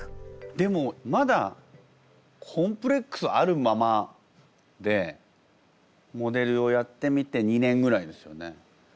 でもまだコンプレックスあるままでモデルをやってみて２年ぐらいですよね。